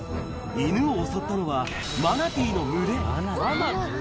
犬を襲ったのは、マナティーの群れ。